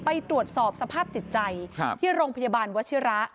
ไปตรวจสอบสภาพจิตใจที่โรงพยาบาลวชิระ